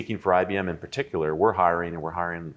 tapi berbicara tentang ibm kita menghantar banyak orang